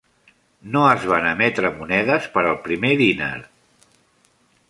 No es van emetre monedes per al primer dinar.